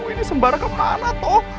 ini sembarang kemana toh